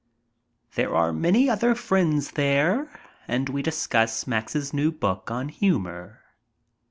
There are many other friends there, and we discuss Max's new book on humor.